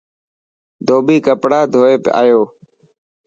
ڌوٻي ڪپڙا ڌوئي آيو.